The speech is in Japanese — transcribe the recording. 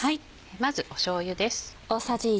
まずしょうゆです。